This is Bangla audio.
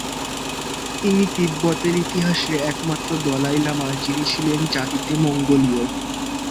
তিনি তিব্বতের ইতিহাসে একমাত্র দলাই লামা যিনি ছিলেন জাতিতে মঙ্গোলীয়।